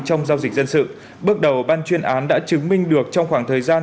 trong giao dịch dân sự bước đầu ban chuyên án đã chứng minh được trong khoảng thời gian